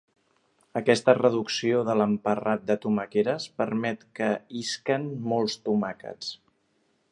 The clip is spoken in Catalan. Aquesta reducció de l'emparrat de tomaqueres permet que isquen molts tomàquets.